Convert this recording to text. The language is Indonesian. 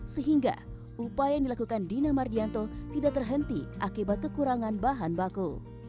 sehingga upaya yang dilakukan dina mardianto tidak terhenti akibat kekurangan bahan baku